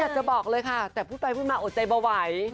จะบอกเลยค่ะแต่พูดไปพูดมาอดใจเบาไหว